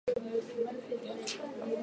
体は必死に支えている。